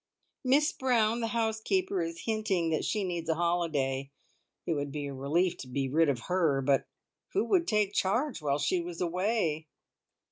Miss Brown, the housekeeper, is hinting that she needs a holiday. It would be a relief to be rid of her, but who would take charge while she was away?